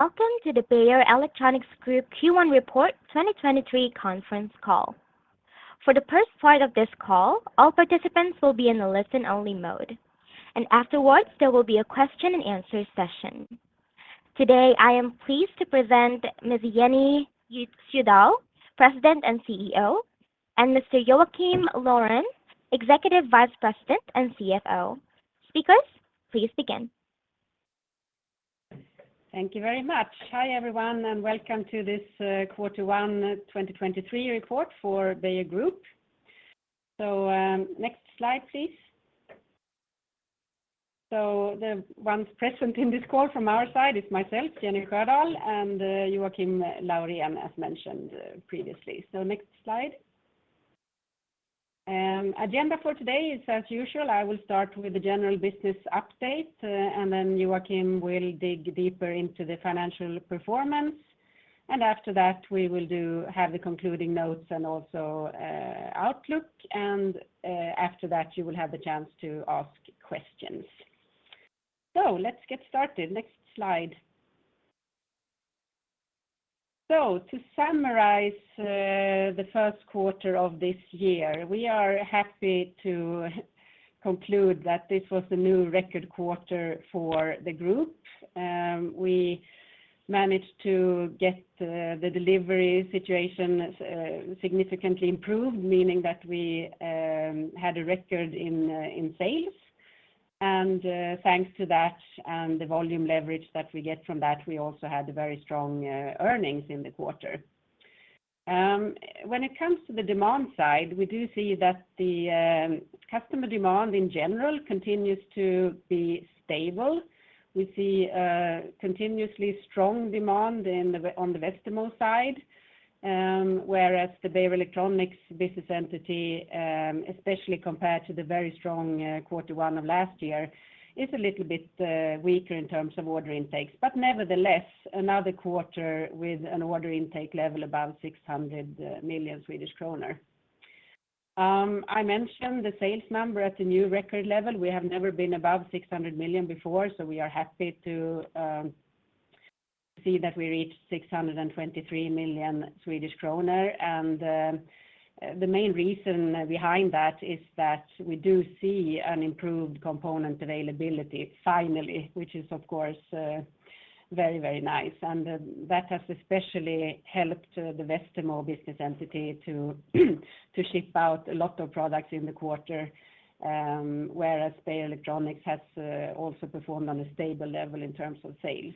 Welcome to the Beijer Electronics Group Q1 Report 2023 Conference Call. For the first part of this call, all participants will be in a listen only mode, and afterwards, there will be a question and answer session. Today, I am pleased to present Ms. Jenny Sjödahl, President and CEO, and Mr. Joakim Laurén, Executive Vice President and CFO. Speakers, please begin. Thank you very much. Hi, everyone, welcome to this Quarter One 2023 report for Beijer Group. Next slide, please. The ones present in this call from our side is myself, Jenny Sjödahl, and Joakim Laurén as mentioned previously. Next slide. Agenda for today is as usual, I will start with the general business update, then Joakim will dig deeper into the financial performance. After that, we will have the concluding notes and also outlook. After that, you will have the chance to ask questions. Let's get started. Next slide. To summarize the first quarter of this year, we are happy to conclude that this was the new record quarter for the group. We managed to get the delivery situation significantly improved, meaning that we had a record in sales. Thanks to that and the volume leverage that we get from that, we also had a very strong earnings in the quarter. When it comes to the demand side, we do see that the customer demand in general continues to be stable. We see a continuously strong demand on the Westermo side, whereas the Beijer Electronics business entity, especially compared to the very strong quarter one of last year, is a little bit weaker in terms of order intakes, but nevertheless, another quarter with an order intake level above 600 million Swedish kronor. I mentioned the sales number at a new record level. We have never been above 600 million before, so we are happy to see that we reached 623 million Swedish kronor. The main reason behind that is that we do see an improved component availability finally, which is of course, very, very nice. That has especially helped the Westermo business entity to ship out a lot of products in the quarter, whereas Beijer Electronics has also performed on a stable level in terms of sales.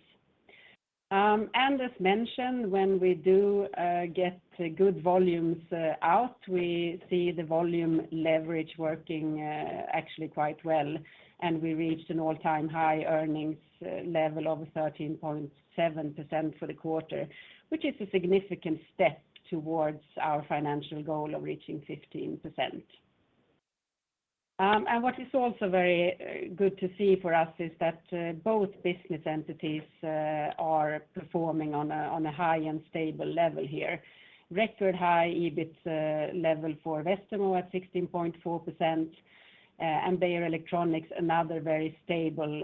As mentioned, when we do get good volumes out, we see the volume leverage working actually quite well. We reached an all-time high earnings level of 13.7% for the quarter, which is a significant step towards our financial goal of reaching 15%. What is also very good to see for us is that both business entities are performing on a high and stable level here. Record high EBIT level for Westermo at 16.4%, and Beijer Electronics, another very stable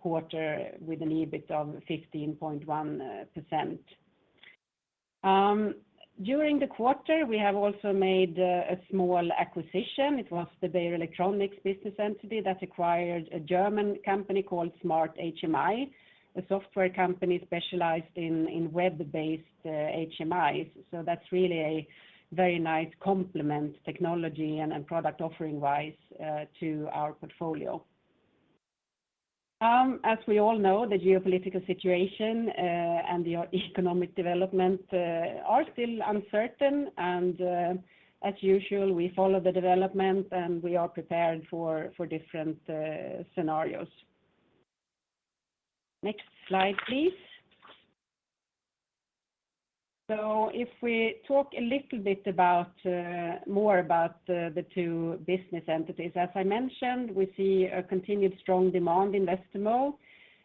quarter with an EBIT of 15.1%. During the quarter, we have also made a small acquisition. It was the Beijer Electronics business entity that acquired a German company called Smart HMI, a software company specialized in web-based HMIs. That's really a very nice complement technology and product offering wise to our portfolio. As we all know, the geopolitical situation and the economic development are still uncertain. As usual, we follow the development and we are prepared for different scenarios. Next slide, please. If we talk a little bit about more about the two business entities. As I mentioned, we see a continued strong demand in Westermo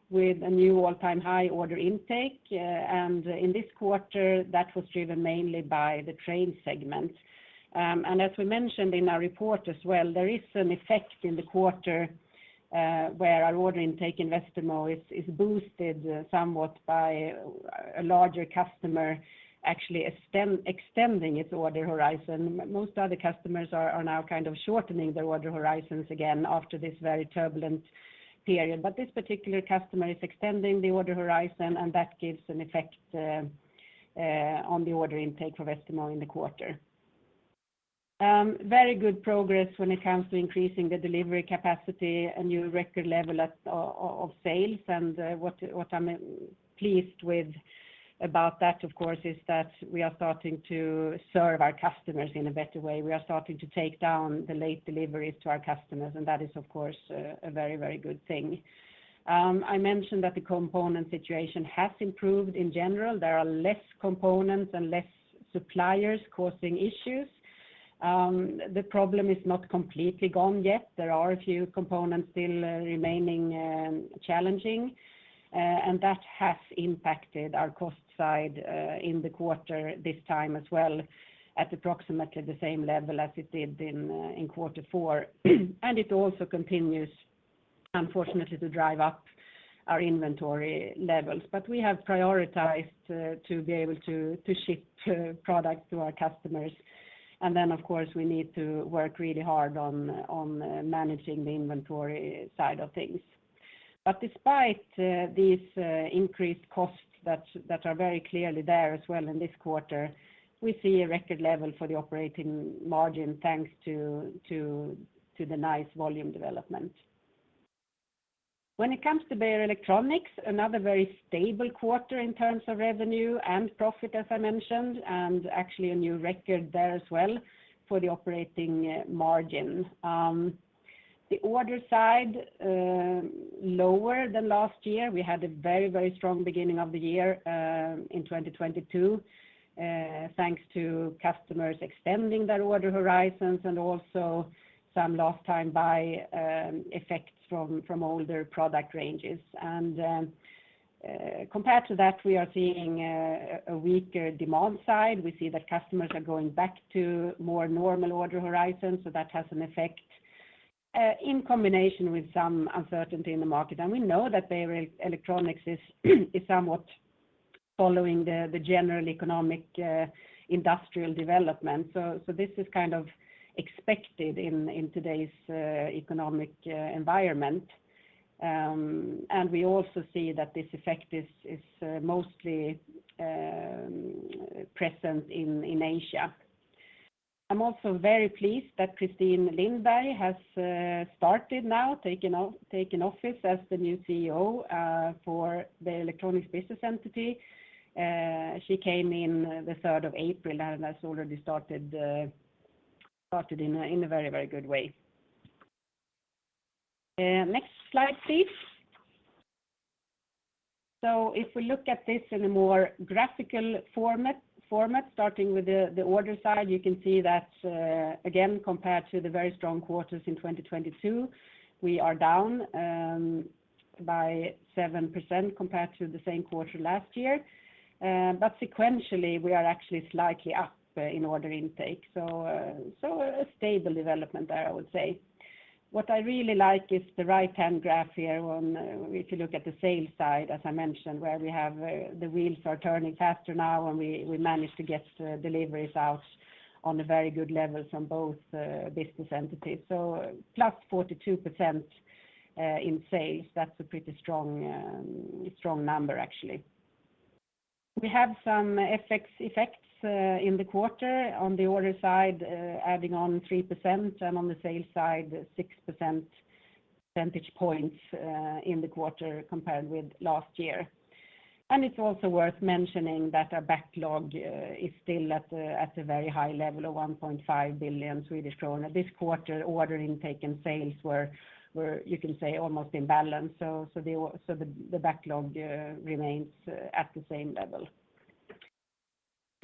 with a new all-time high order intake. In this quarter, that was driven mainly by the train segment. As we mentioned in our report as well, there is an effect in the quarter where our order intake in Westermo is boosted somewhat by a larger customer actually extending its order horizon. Most other customers are now kind of shortening their order horizons again after this very turbulent period. This particular customer is extending the order horizon, and that gives an effect on the order intake for Westermo in the quarter. Very good progress when it comes to increasing the delivery capacity, a new record level of sales. What I'm pleased with about that, of course, is that we are starting to serve our customers in a better way. We are starting to take down the late deliveries to our customers, and that is, of course, a very good thing. I mentioned that the component situation has improved in general. There are less components and less suppliers causing issues. The problem is not completely gone yet. There are a few components still remaining, challenging, and that has impacted our cost side in the quarter this time as well at approximately the same level as it did in quarter four. It also continuesUnfortunately to drive up our inventory levels. We have prioritized to be able to ship product to our customers. Of course, we need to work really hard on managing the inventory side of things. Despite these increased costs that are very clearly there as well in this quarter, we see a record level for the operating margin, thanks to the nice volume development. When it comes to Beijer Electronics, another very stable quarter in terms of revenue and profit, as I mentioned, and actually a new record there as well for the operating margin. The order side lower than last year. We had a very strong beginning of the year in 2022, thanks to customers extending their order horizons and also some last time buy effects from older product ranges. Compared to that, we are seeing a weaker demand side. We see that customers are going back to more normal order horizons. That has an effect in combination with some uncertainty in the market. We know that Beijer Electronics is somewhat following the general economic industrial development. This is kind of expected in today's economic environment. We also see that this effect is mostly present in Asia. I'm also very pleased that Kristine Lindberg has started now, taken office as the new CEO for the Beijer Electronics business entity. She came in the 3rd of April, has already started in a very good way. Next slide, please. If we look at this in a more graphical format, starting with the order side, you can see that, again, compared to the very strong quarters in 2022, we are down by 7% compared to the same quarter last year. Sequentially, we are actually slightly up in order intake. A stable development there, I would say. What I really like is the right-hand graph here on If you look at the sales side, as I mentioned, where we have the wheels are turning faster now, and we managed to get deliveries out on a very good level from both business entities. Plus 42% in sales, that's a pretty strong number, actually. We have some FX effects in the quarter on the order side, adding on 3%, and on the sales side, six percentage points in the quarter compared with last year. It's also worth mentioning that our backlog is still at a very high level of 1.5 billion Swedish kronor. This quarter, order intake and sales were, you can say, almost in balance. The backlog remains at the same level.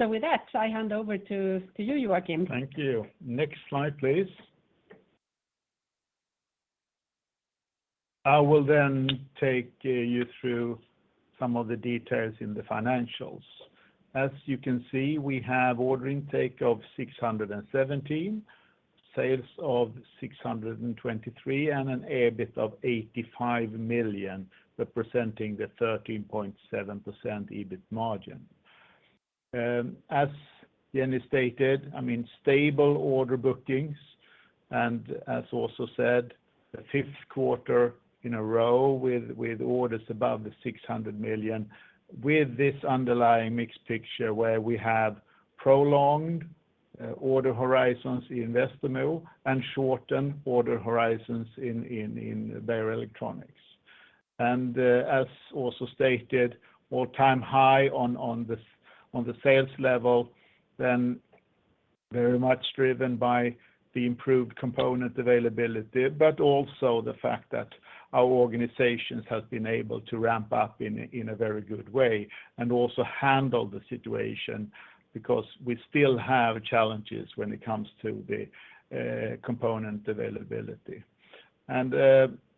I hand over to you, Joakim. Thank you. Next slide, please. I will take you through some of the details in the financials. As you can see, we have order intake of 617, sales of 623, and an EBIT of 85 million, representing the 13.7% EBIT margin. As Jenny Sjödahl stated, I mean, stable order bookings, and as also said, the fifth quarter in a row with orders above 600 million, with this underlying mixed picture where we have prolonged order horizons in Westermo and shortened order horizons in Beijer Electronics. As also stated, all-time high on the sales level, then very much driven by the improved component availability, but also the fact that our organizations have been able to ramp up in a very good way and also handle the situation because we still have challenges when it comes to the component availability.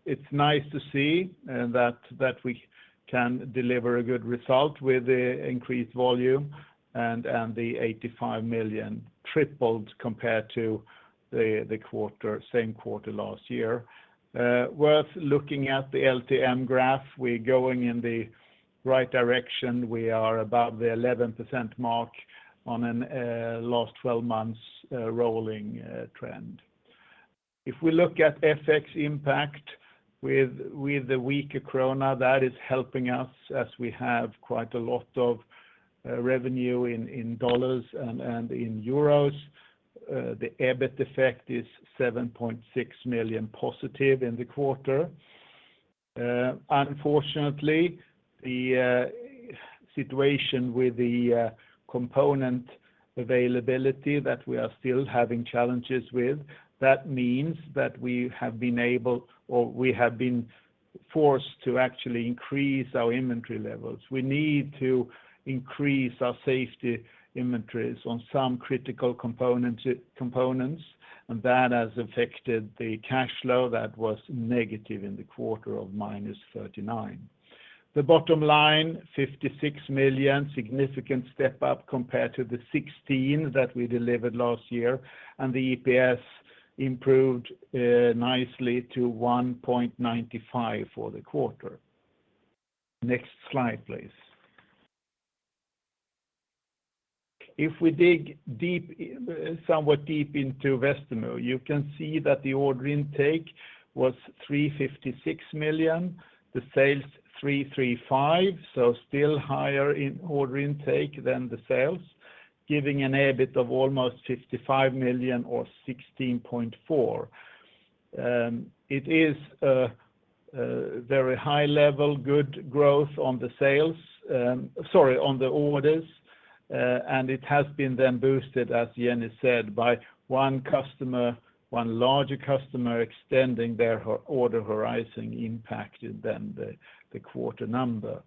It's nice to see that we can deliver a good result with the increased volume and the 85 million tripled compared to the quarter, same quarter last year. Worth looking at the LTM graph. We're going in the right direction. We are above the 11% mark on a last 12 months rolling trend. If we look at FX impact with the weaker krona, that is helping us as we have quite a lot of revenue in dollars and in euros. The EBIT effect is 7.6 million positive in the quarter. Unfortunately, the situation with the component availability that we are still having challenges with, that means that we have been able or we have been forced to actually increase our inventory levels. We need to increase our safety inventories on some critical components, and that has affected the cash flow that was negative in the quarter of -39. The bottom line, 56 million, significant step up compared to the 16 that we delivered last year, and the EPS improved nicely to 1.95 for the quarter. Next slide, please. If we dig deep, somewhat deep into Westermo, you can see that the order intake was 356 million, the sales 335. Still higher in order intake than the sales, giving an EBIT of almost 55 million or 16.4%. It is a very high level, good growth on the sales, sorry, on the orders, it has been then boosted, as Jenny said, by one customer, one larger customer extending their order horizon impacted then the quarter number.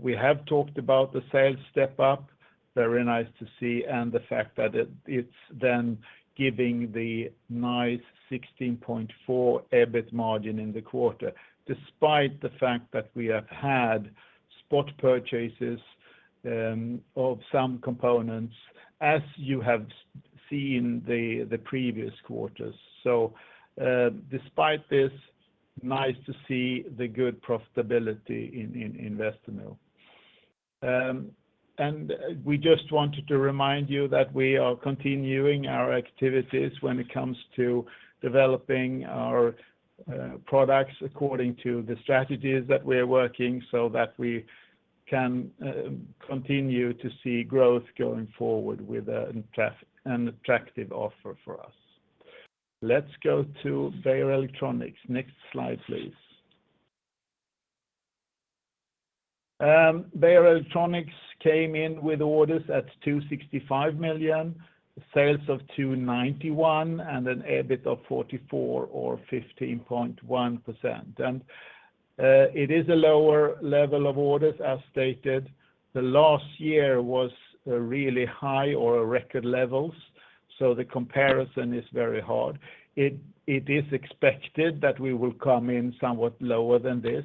We have talked about the sales step up, very nice to see, the fact that it's then giving the nice 16.4% EBIT margin in the quarter, despite the fact that we have had spot purchases of some components as you have seen the previous quarters. Despite this, nice to see the good profitability in Westermo. We just wanted to remind you that we are continuing our activities when it comes to developing our products according to the strategies that we're working so that we can continue to see growth going forward with an attractive offer for us. Let's go to Beijer Electronics. Next slide, please. Beijer Electronics came in with orders at 265 million, sales of 291, and an EBIT of 44 or 15.1%. It is a lower level of orders, as stated. The last year was really high or record levels, so the comparison is very hard. It is expected that we will come in somewhat lower than this.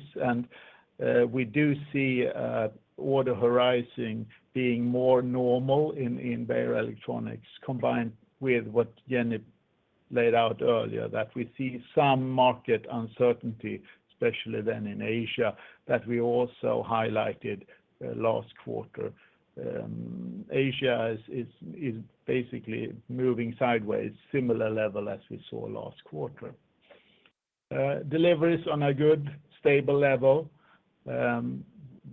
We do see order horizon being more normal in Beijer Electronics, combined with what Jenny laid out earlier, that we see some market uncertainty, especially then in Asia, that we also highlighted last quarter. Asia is basically moving sideways, similar level as we saw last quarter. Deliveries on a good, stable level.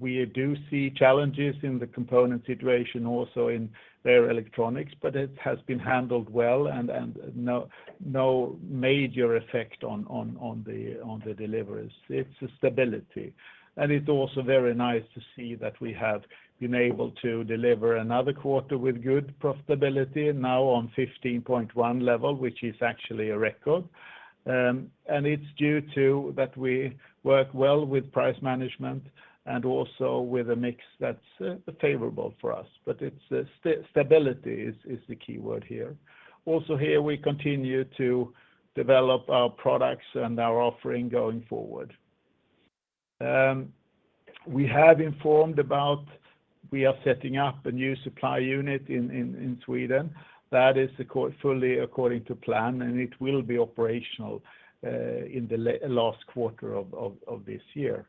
We do see challenges in the component situation also in Beijer Electronics, but it has been handled well and no major effect on the deliveries. It's a stability. It's also very nice to see that we have been able to deliver another quarter with good profitability, now on 15.1% level, which is actually a record. It's due to that we work well with price management and also with a mix that's favorable for us. It's stability is the key word here. Also here, we continue to develop our products and our offering going forward. We have informed about we are setting up a new supply unit in Sweden. That is fully according to plan, and it will be operational in the last quarter of this year.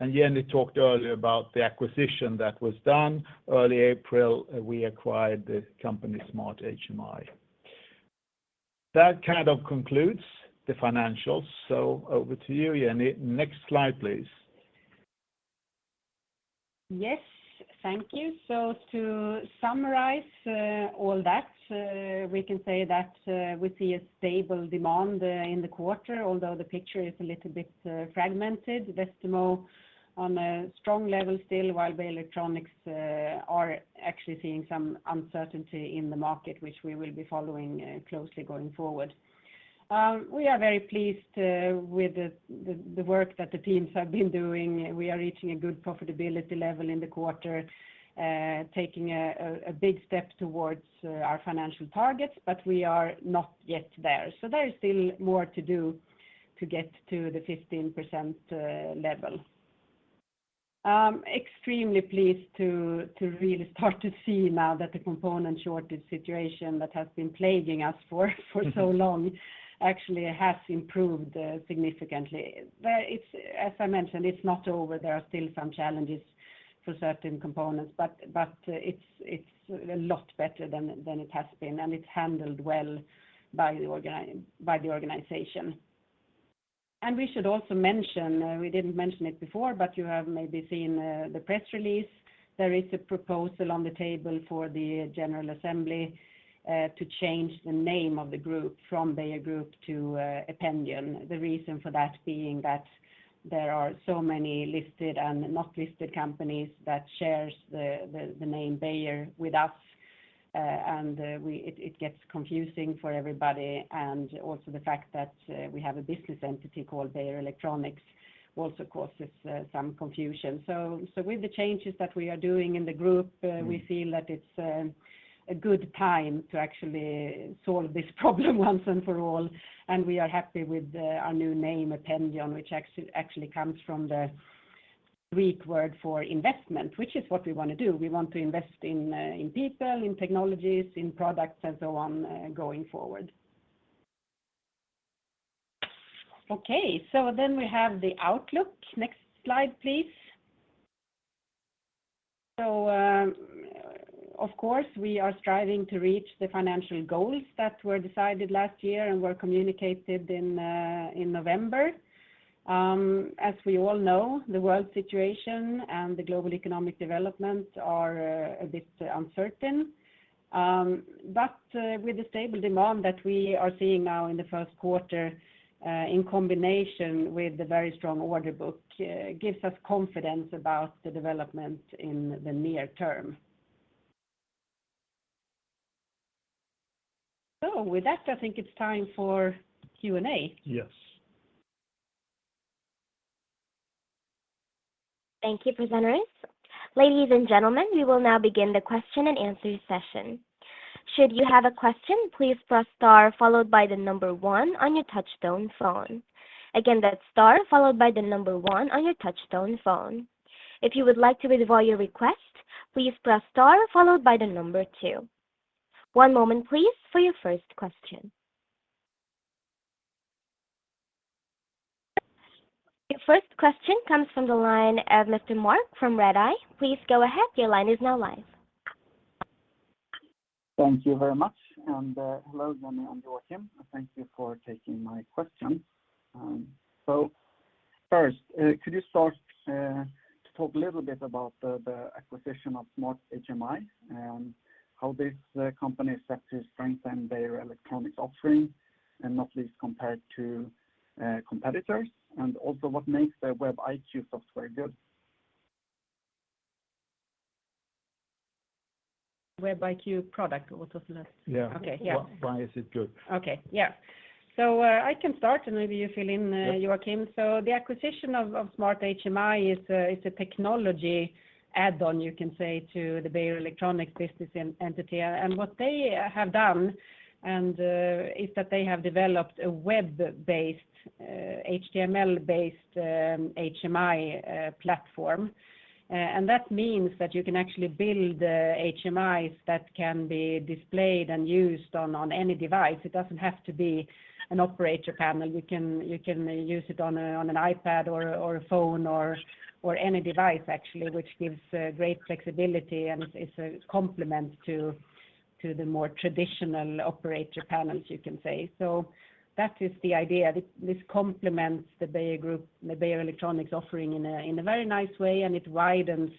Jenny talked earlier about the acquisition that was done early April. We acquired the company Smart HMI. That kind of concludes the financials. Over to you, Jenny. Next slide, please. Yes. Thank you. To summarize, all that, we can say that, we see a stable demand in the quarter, although the picture is a little bit fragmented. Westermo on a strong level still, while Beijer Electronics are actually seeing some uncertainty in the market, which we will be following closely going forward. We are very pleased with the work that the teams have been doing. We are reaching a good profitability level in the quarter, taking a big step towards our financial targets, but we are not yet there. There is still more to do to get to the 15% level. I'm extremely pleased to really start to see now that the component shortage situation that has been plaguing us for so long actually has improved significantly. It's, as I mentioned, it's not over. There are still some challenges for certain components, but it's a lot better than it has been, and it's handled well by the organization. We should also mention, we didn't mention it before, but you have maybe seen the press release. There is a proposal on the table for the general assembly to change the name of the group from Beijer Group to Ependion. The reason for that being that there are so many listed and not listed companies that shares the name Beijer with us, and it gets confusing for everybody, and also the fact that we have a business entity called Beijer Electronics also causes some confusion. With the changes that we are doing in the group, we feel that it's a good time to actually solve this problem once and for all, and we are happy with our new name, Ependion, which actually comes from the Greek word for investment, which is what we wanna do. We want to invest in people, in technologies, in products and so on, going forward. We have the outlook. Next slide, please. Of course, we are striving to reach the financial goals that were decided last year and were communicated in November. As we all know, the world situation and the global economic development are a bit uncertain. With the stable demand that we are seeing now in the first quarter, in combination with the very strong order book, gives us confidence about the development in the near term. With that, I think it's time for Q and A. Yes. Thank you, presenters. Ladies and gentlemen, we will now begin the question-and-answer session. Should you have a question, please press star followed by one on your touchtone phone. Again, that's star followed by one on your touchtone phone. If you would like to withdraw your request, please press star followed by two. One moment, please, for your first question. Your first question comes from the line of Mr. Mark from Redeye. Please go ahead. Your line is now live. Thank you very much. Hello, Jenny and Joakim. Thank you for taking my question. First, could you start to talk a little bit about the acquisition of Smart HMI, and how this company expects to strengthen their Beijer Electronics offering, and not least compared to competitors, and also what makes their WebIQ software good? WebIQ product or software? Yeah. Okay. Yeah. Why is it good? Okay. Yeah. I can start, and maybe you fill in, Joakim. Yes. The acquisition of Smart HMI is a technology add-on, you can say, to the Beijer Electronics business entity. What they have done and is that they have developed a web-based, HTML-based HMI platform. That means that you can actually build HMIs that can be displayed and used on any device. It doesn't have to be an operator panel. You can use it on an iPad or a phone or any device actually, which gives great flexibility, and it's a complement to the more traditional operator panels, you can say. That is the idea. This complements the Beijer Group, the Beijer Electronics offering in a very nice way, and it widens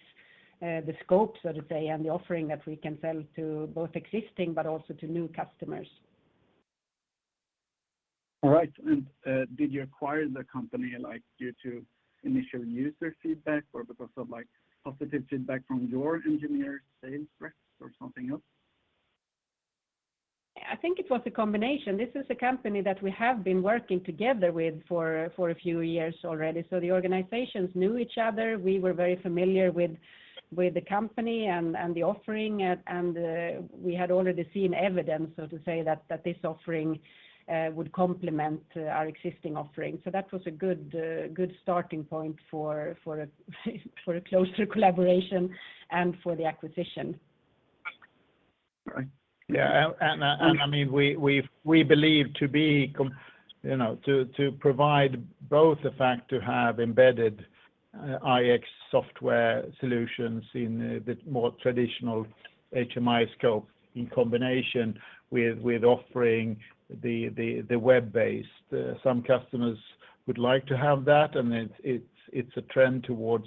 the scope, so to say, and the offering that we can sell to both existing but also to new customers. All right. Did you acquire the company, like, due to initial user feedback or because of, like, positive feedback from your engineer sales reps or something else? I think it was a combination. This is a company that we have been working together with for a few years already. The organizations knew each other. We were very familiar with the company and the offering, and we had already seen evidence, so to say, that this offering would complement our existing offering. That was a good starting point for a closer collaboration and for the acquisition. All right. Yeah. I mean, we believe to be You know, to provide both the fact to have embedded, iX software solutions in a bit more traditional HMI scope in combination with offering the web-based. Some customers would like to have that, and it's a trend towards,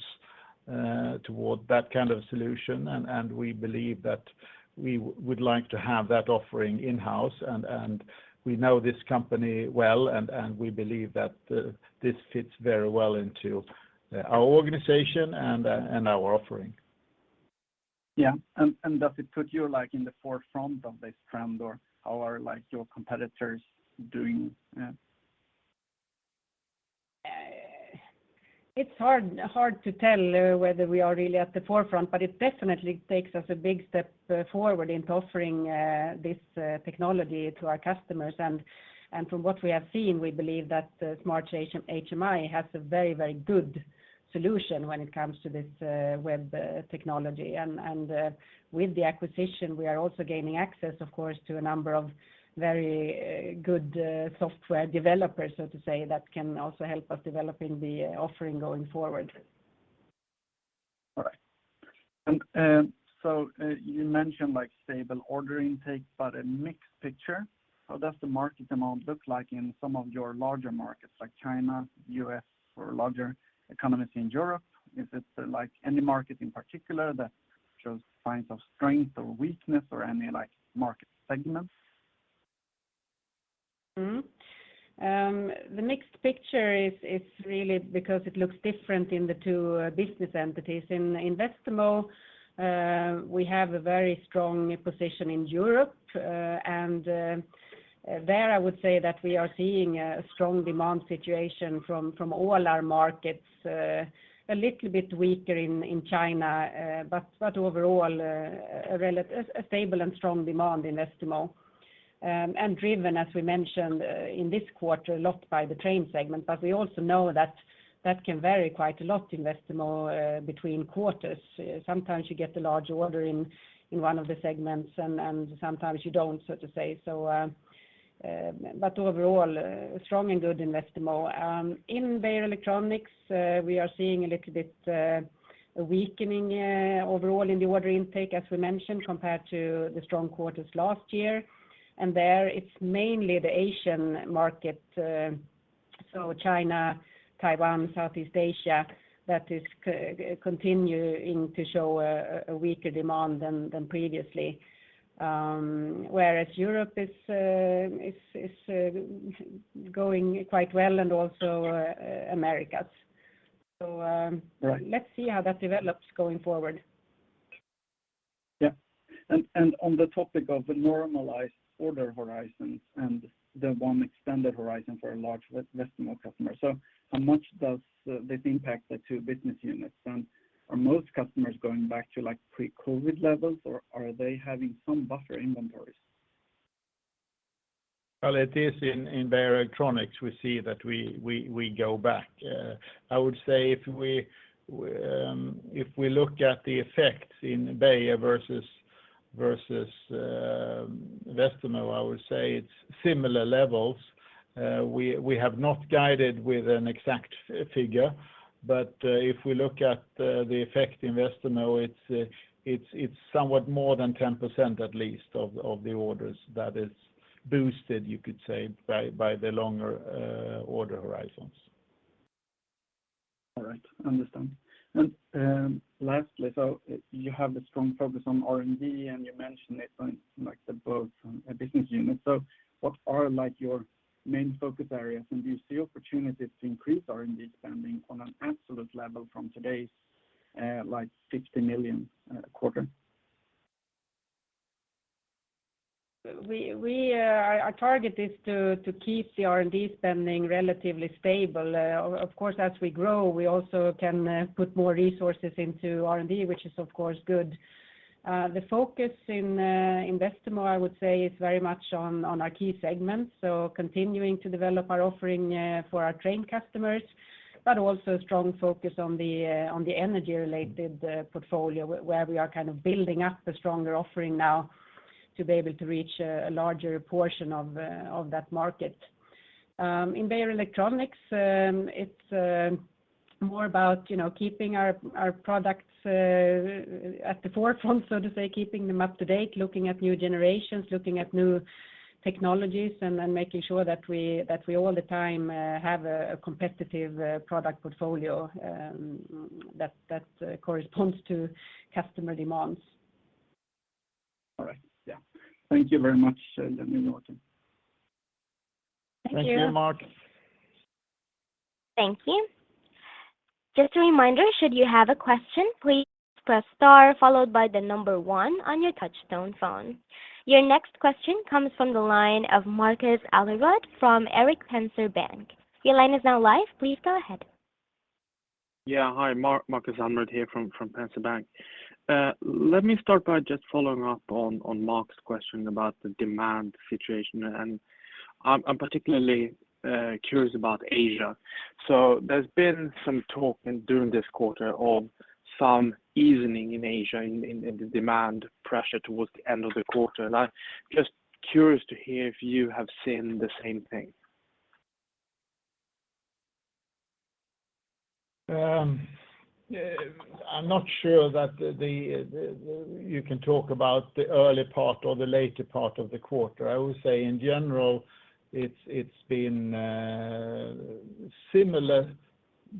toward that kind of solution. We believe that we would like to have that offering in-house, and we know this company well, and we believe that, this fits very well into, our organization and, our offering. Yeah. Does it put you, like, in the forefront of this trend, or how are, like, your competitors doing? It's hard to tell whether we are really at the forefront, but it definitely takes us a big step forward into offering this technology to our customers. From what we have seen, we believe that Smart HMI has a very good solution when it comes to this web technology. With the acquisition, we are also gaining access, of course, to a number of very good software developers, so to say, that can also help us developing the offering going forward. All right. You mentioned, like, stable order intake but a mixed picture. How does the market demand look like in some of your larger markets like China, U.S., or larger economies in Europe? Is it, like, any market in particular that shows signs of strength or weakness or any, like, market segments? The mixed picture is really because it looks different in the two business entities. In Westermo, we have a very strong position in Europe. There, I would say that we are seeing a strong demand situation from all our markets. A little bit weaker in China, but overall, a stable and strong demand in Westermo. Driven, as we mentioned, in this quarter, a lot by the train segment. We also know that that can vary quite a lot in Westermo, between quarters. Sometimes you get a large order in one of the segments, and sometimes you don't, so to say. Overall, strong and good in Westermo. In Beijer Electronics, we are seeing a little bit a weakening overall in the order intake, as we mentioned, compared to the strong quarters last year. There it's mainly the Asian market, so China, Taiwan, Southeast Asia, that is continuing to show a weaker demand than previously. Whereas Europe is going quite well and also Americas. Right. Let's see how that develops going forward. Yeah. And on the topic of the normalized order horizons and the one extended horizon for a large Westermo customer. How much does this impact the two business units? Are most customers going back to, like, pre-COVID levels, or are they having some buffer inventories? Well, it is in Beijer Electronics, we see that we go back. I would say if we look at the effects in Beijer versus Westermo, I would say it's similar levels. We have not guided with an exact figure, but if we look at the effect in Westermo, it's somewhat more than 10%, at least, of the orders that is boosted, you could say, by the longer order horizons. All right. Understand. Lastly, you have a strong focus on R&D, and you mentioned it on, like, the both business units. What are, like, your main focus areas? Do you see opportunities to increase R&D spending on an absolute level from today's, like, 50 million quarter? We Our target is to keep the R&D spending relatively stable. Of course, as we grow, we also can put more resources into R&D, which is of course good. The focus in Westermo, I would say, is very much on our key segments, so continuing to develop our offering for our train customers, but also a strong focus on the energy-related portfolio, where we are kind of building up a stronger offering now to be able to reach a larger portion of that market. In Beijer Electronics, it's more about, you know, keeping our products at the forefront, so to say, keeping them up to date, looking at new generations, looking at new technologies, and then making sure that we all the time have a competitive product portfolio that corresponds to customer demands. All right. Yeah. Thank you very much. Yeah, you're welcome. Thank you. Thank you, Mark. Thank you. Just a reminder, should you have a question, please press star followed by the number one on your touch tone phone. Your next question comes from the line of Marcus Almerud from Erik Penser Bank. Your line is now live. Please go ahead. Yeah. Hi, Markus Almerud here from Erik Penser Bank. Let me start by just following up on Mark's question about the demand situation, and I'm particularly curious about Asia. There's been some talk during this quarter of some evening in Asia in the demand pressure towards the end of the quarter. I'm just curious to hear if you have seen the same thing? I'm not sure that you can talk about the early part or the later part of the quarter. I would say in general, it's been similar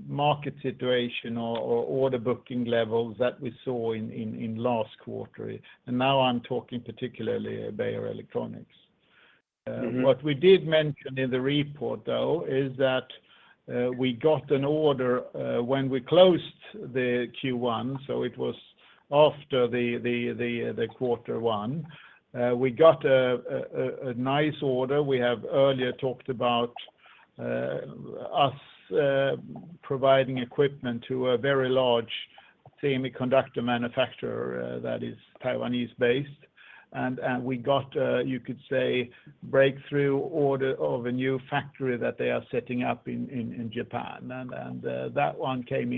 market situation or order booking levels that we saw in last quarter. Now I'm talking particularly Beijer Electronics. Mm-hmm. What we did mention in the report, though, is that we got an order when we closed the Q1, so it was after the quarter one. We got a nice order. We have earlier talked about us providing equipment to a very large semiconductor manufacturer that is Taiwanese-based. We got a, you could say, breakthrough order of a new factory that they are setting up in Japan. That one came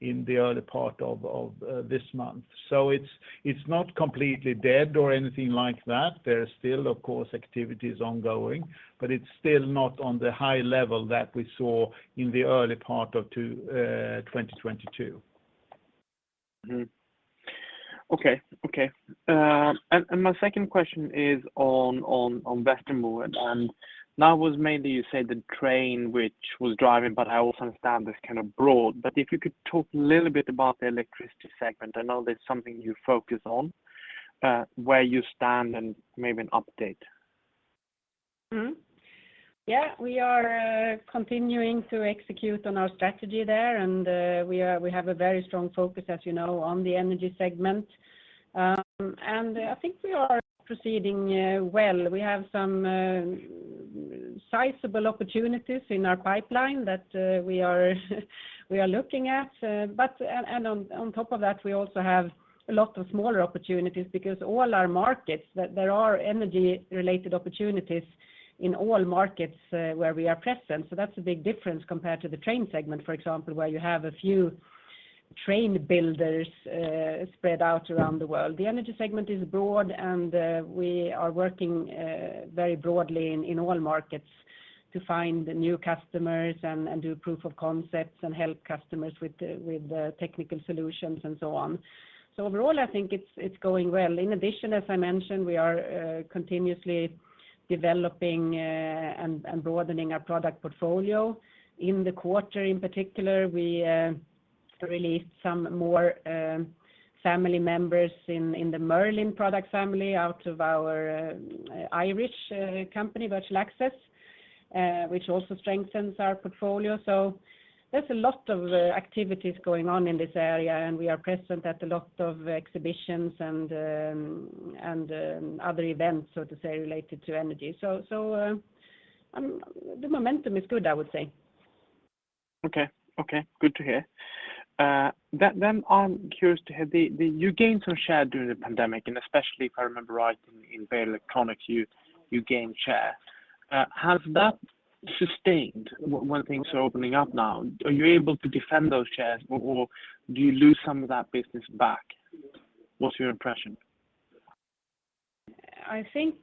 in the early part of this month. It's not completely dead or anything like that. There are still, of course, activities ongoing, but it's still not on the high level that we saw in the early part of 2022. Okay. Okay. My second question is on Westermo. Yes. That was mainly you said the train which was driving, but I also understand that's kind of broad. If you could talk a little bit about the electricity segment, I know that's something you focus on, where you stand and maybe an update. Yeah. We are continuing to execute on our strategy there, and we have a very strong focus, as you know, on the energy segment. I think we are proceeding well. We have some Sizable opportunities in our pipeline that we are looking at. On top of that, we also have a lot of smaller opportunities because all our markets, there are energy-related opportunities in all markets where we are present. That's a big difference compared to the train segment, for example, where you have a few train builders spread out around the world. The energy segment is broad, we are working very broadly in all markets to find new customers and do proof of concepts and help customers with the technical solutions and so on. Overall, I think it's going well. In addition, as I mentioned, we are continuously developing and broadening our product portfolio. In the quarter in particular, we released some more family members in the Merlin product family out of our Irish company, Virtual Access, which also strengthens our portfolio. There's a lot of activities going on in this area, and we are present at a lot of exhibitions and other events, so to say, related to energy. The momentum is good, I would say. Okay. Okay, good to hear. Then, then I'm curious to hear, the... You gained some share during the pandemic, and especially, if I remember right, in Veolia Climate, you gained share. Has that sustained when things are opening up now? Are you able to defend those shares, or do you lose some of that business back? What's your impression? I think,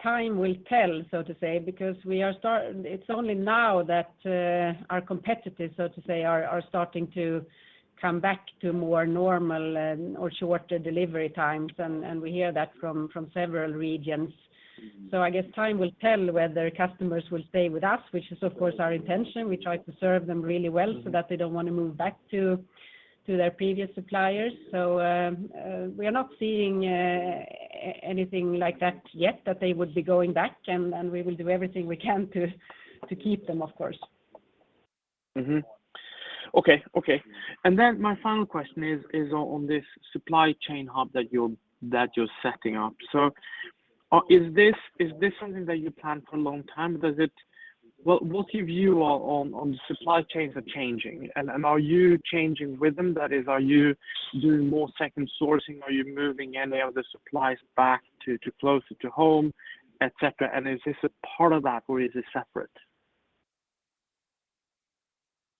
time will tell, so to say, because it's only now that our competitors, so to say, are starting to come back to more normal and/or shorter delivery times, and we hear that from several regions. I guess time will tell whether customers will stay with us, which is of course our intention. We try to serve them really well so that they don't want to move back to their previous suppliers. We are not seeing anything like that yet, that they would be going back, and we will do everything we can to keep them, of course. Okay. Okay. Then my final question is on this supply chain hub that you're setting up. Is this something that you planned for a long time? What's your view on the supply chains are changing, and are you changing with them? That is, are you doing more second sourcing? Are you moving any of the supplies back to closer to home, et cetera, and is this a part of that, or is it separate?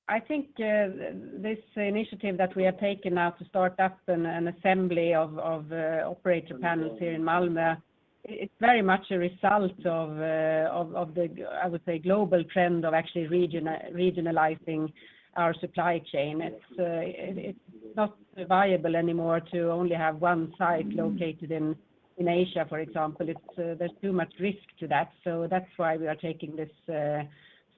I think this initiative that we have taken now to start up an assembly of operator panels here in Malmö, it's very much a result of the, I would say, global trend of actually regionalizing our supply chain. It's not viable anymore to only have one site located in Asia, for example. It's too much risk to that. That's why we are taking this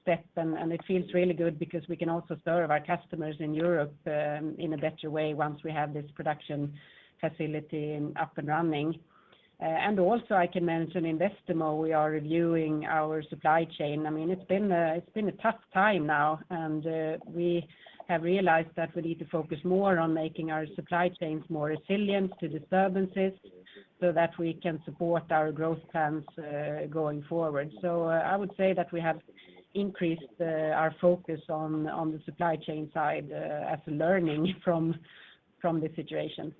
step, and it feels really good because we can also serve our customers in Europe in a better way once we have this production facility up and running. Also, I can mention Westermo, we are reviewing our supply chain. I mean, it's been a tough time now, and we have realized that we need to focus more on making our supply chains more resilient to disturbances so that we can support our growth plans going forward. I would say that we have increased our focus on the supply chain side as a learning from the situation.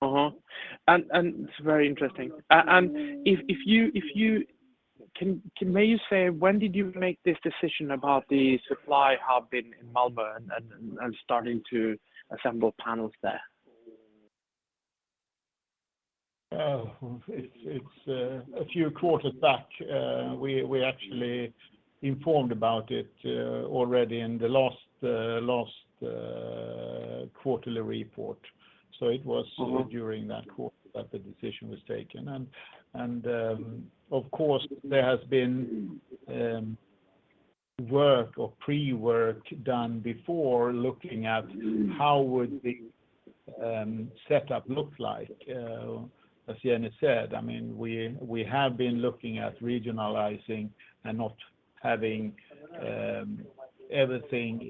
Uh-huh. It's very interesting. If you can, may you say when did you make this decision about the supply hub in Malmö and starting to assemble panels there? It's a few quarters back. We actually informed about it already in the last quarterly report. It was. Mm-hmm... during that quarter that the decision was taken. Of course, there has been work or pre-work done before looking at how would the setup look like. As Jenny said, I mean, we have been looking at regionalizing and not having everything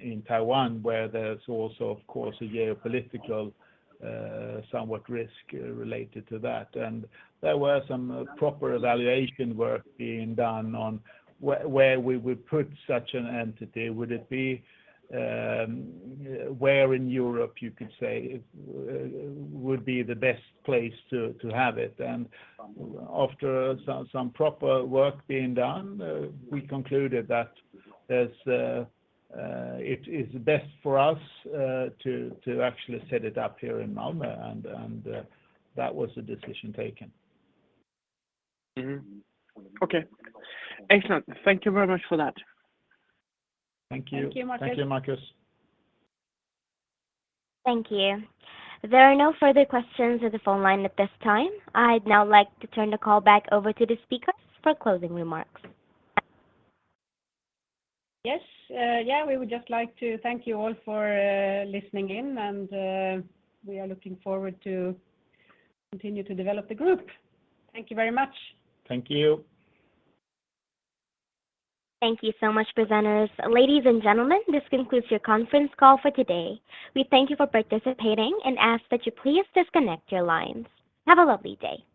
in Taiwan, where there's also of course a geopolitical, somewhat risk related to that. There were some proper evaluation work being done on where we would put such an entity. Would it be, where in Europe you could say would be the best place to have it? After some proper work being done, we concluded that there's it is best for us to actually set it up here in Malmö. That was the decision taken. Mm-hmm. Okay. Excellent. Thank you very much for that. Thank you. Thank you, Marcus. Thank you, Marcus. Thank you. There are no further questions on the phone line at this time. I'd now like to turn the call back over to the speakers for closing remarks. Yes. We would just like to thank you all for listening in. We are looking forward to continue to develop the group. Thank you very much. Thank you. Thank you so much, presenters. Ladies and gentlemen, this concludes your conference call for today. We thank you for participating and ask that you please disconnect your lines. Have a lovely day.